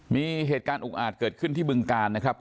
มีเหตุการณ์อุกอาจเกิดขึ้นที่บึงการนะครับ